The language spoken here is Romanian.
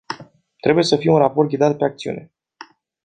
Trebuie să fie un raport ghidat pe acțiune.